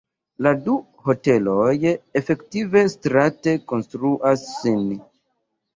La du hoteloj efektive strate kontraŭas sin.